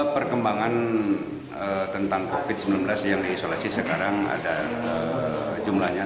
perkembangan tentang covid sembilan belas yang diisolasi sekarang ada jumlahnya enam puluh sembilan